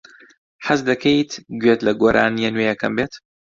حەز دەکەیت گوێت لە گۆرانییە نوێیەکەم بێت؟